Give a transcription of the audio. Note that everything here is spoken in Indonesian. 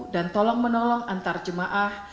dan menolong antar jemaah